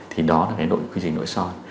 thì đó là quy trình nội soi